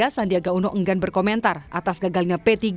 sandiaga uno enggan berkomentar atas gagalnya p tiga